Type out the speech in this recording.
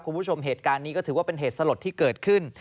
คุณผู้ชมเหตุการณ์นี้ก็ถือว่าเป็นเหตุสลดที่เกิดขึ้น